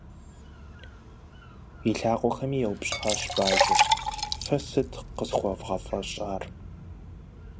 И лъакъуэхэми еупщӏащ бажэр: - Фэ сыт къысхуэфщӏар?